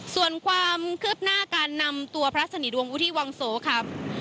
ส่วนความคืบหน้าการนำตัวพระสนิทวงวุฒิวังโสคำ